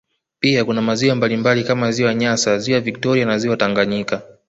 Pia kuna maziwa mbalimbali kama ziwa nyasa ziwa victoria na ziwa Tanganyika